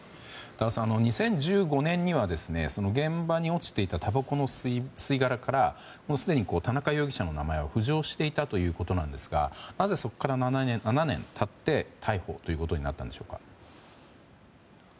峠さん、２０１５年には現場に落ちていたたばこの吸い殻からすでに、田中容疑者の名前は浮上していたということなんですがなぜそこから７年経って逮捕となったのでしょうか。